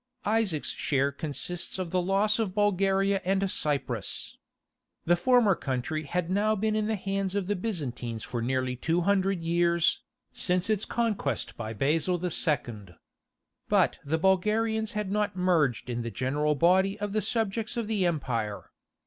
Isaac's share consists in the loss of Bulgaria and Cyprus. The former country had now been in the hands of the Byzantines for nearly two hundred years, since its conquest by Basil II. But the Bulgarians had not merged in the general body of the subjects of the empire.